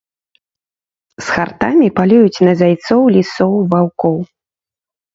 З хартамі палююць на зайцоў, лісоў, ваўкоў.